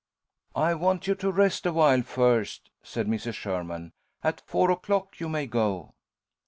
"I want you to rest awhile first," said Mrs. Sherman. "At four o'clock you may go."